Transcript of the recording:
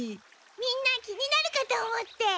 みんな気になるかと思って。